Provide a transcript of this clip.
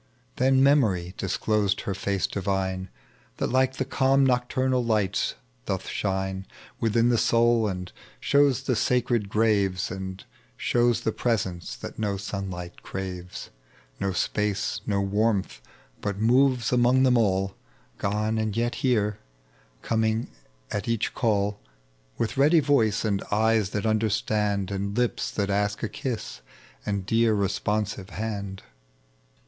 Then Memory disclosed her face divine, That like the calm nocturnal lights doth shine Within the soul, and shows the sacred graves, And shows the presence that no sunlight craves, No space, no warmth, but moves among them all ; Gone and yet here, and coming at each call. With ready voice and eyes Uiat understand, And lips that ask a Idas, and dear responsive hand.